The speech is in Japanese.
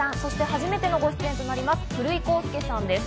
初めてのご出演となります、古井康介さんです。